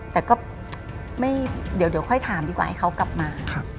แต่ก็ไม่เดี๋ยวค่อยถามดีกว่าให้เขากลับมา